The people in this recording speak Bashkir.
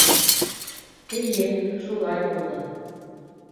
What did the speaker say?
— Эйе, шулай булды...